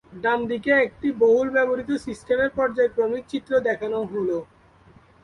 ডানদিকে একটি বহুল ব্যবহৃত সিস্টেমের পর্যায়ক্রমিক চিত্র দেখানো হল।